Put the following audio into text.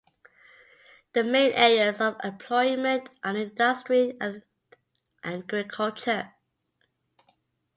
The main areas of employment are in industry and agriculture.